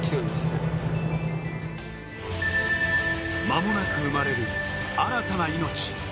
間もなく生まれる新たな命。